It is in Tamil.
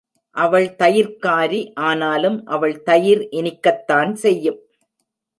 அவள் தயிர்க்காரி ஆனாலும் அவள் தயிர் இனிக்கத்தான் செய்யும்!